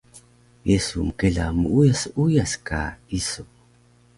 Ye su mkela muuyas uyas ka isu?